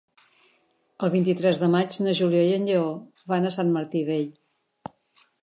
El vint-i-tres de maig na Júlia i en Lleó van a Sant Martí Vell.